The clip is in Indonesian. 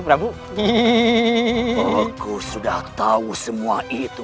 prabu aku sudah tahu semua itu